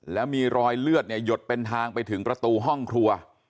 แล้วมีรอยเลือดเนี่ยหยดเป็นทางไปถึงประตูห้องครัว